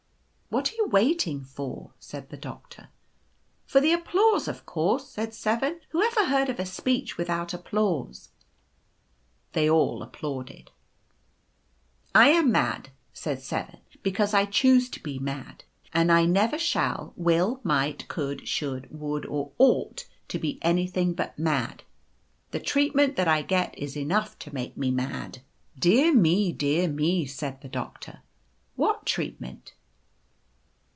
f€ c What are you waiting for ?' said the Doctor. " c For the applause, of course/ said 7. ' Who ever . heard of a speech without applause ?'" They all applauded. " c I am mad/ said 7, c because I choose to be mad ; and I never shall, will, might, could, should, would, or ought to be anything but mad. The treatment that I get is enough to make me mad/ 112 The woes of poor 7. "' Dear me, dear me !' said the Doctor. ( What treat ment